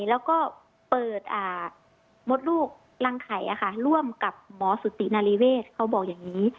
แล้วก็เปิดมดลูกรังไข่ร่วมกับหมอสุตินารีเวศเขาบอกอย่างนี้